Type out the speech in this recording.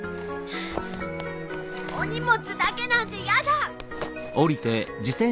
お荷物だけなんてやだ！